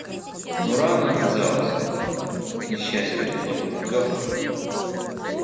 Но рана оказалась, к несчастью для него, легкой.